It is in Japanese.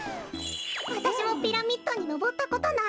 わたしもピラミッドにのぼったことない。